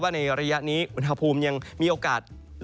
ว่าในระยะนี้วันภาพภูมิยังมีโอกาส